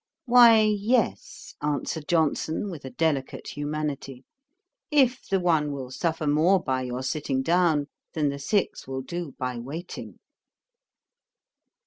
'Why, yes, (answered Johnson, with a delicate humanity,) if the one will suffer more by your sitting down, than the six will do by waiting.'